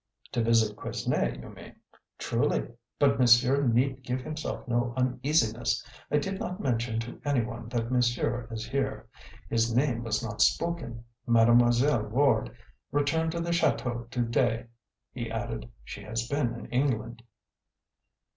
"To visit Quesnay, you mean?" "Truly. But monsieur need give himself no uneasiness; I did not mention to any one that monsieur is here. His name was not spoken. Mademoiselle Ward returned to the chateau to day," he added. "She has been in England."